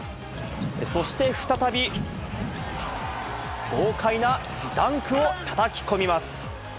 そして再び、豪快なダンクをたたき込みます。